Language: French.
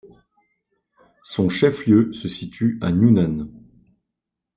Son chef-lieu se situe à Newnan.